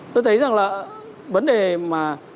tôi thấy rằng là vấn đề mà